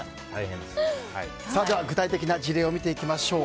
具体的な事例を見ていきましょう。